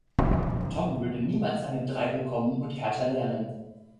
Tom würde niemals eine Drei bekommen und härter lernen.